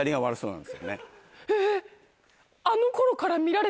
えっ！